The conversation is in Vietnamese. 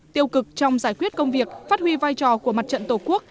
tiêu cực trong giải quyết công việc phát huy vai trò của mặt trận tổ quốc